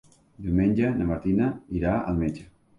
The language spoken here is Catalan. Diumenge na Martina irà al metge.